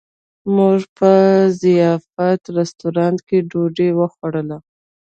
موږ په ضیافت رسټورانټ کې ډوډۍ وخوړله.